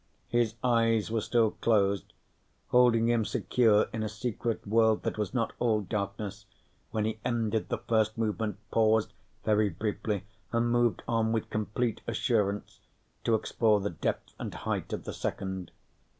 His eyes were still closed, holding him secure in a secret world that was not all darkness, when he ended the first movement, paused very briefly, and moved on with complete assurance to explore the depth and height of the second.